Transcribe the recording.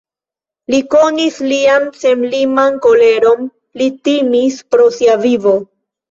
Li konis lian senliman koleron, li timis pro sia vivo.